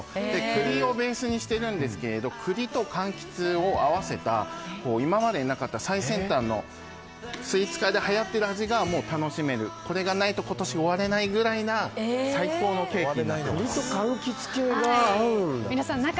栗をベースにしてるんですが栗とかんきつを合わせた今までになかった最先端のスイーツ界ではやっている味が楽しめる、これがないと今年終われないぐらいな栗とかんきつ系が合うんだ。